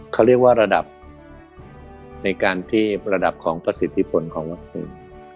เขาเรียกว่าระดับในการที่ระดับของประสิทธิผลของวัคซีน